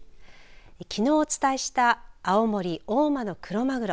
きのう、お伝えした青森大間のクロマグロ。